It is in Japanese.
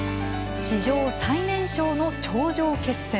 史上最年少の頂上決戦。